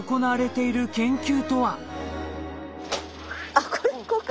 あっこうか。